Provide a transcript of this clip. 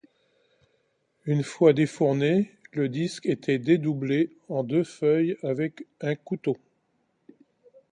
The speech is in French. Une fois défourné, le disque était dédoublé en deux feuilles avec un couteau.